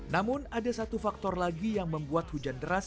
namun ada satu faktor lagi yang membuat hujan deras